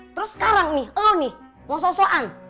terus sekarang nih lo nih mau sosokan